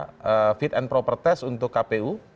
ada fit and proper test untuk kpu